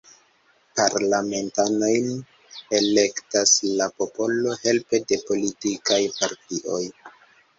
Parlamentanojn elektas la popolo helpe de politikaj partioj.